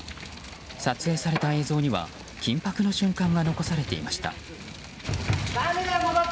撮影された映像には緊迫の瞬間が残されていました。